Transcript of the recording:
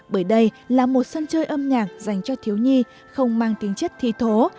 bởi đây là một sân chơi âm nhạc dành cho thiếu nhi không mang tính chất thi thố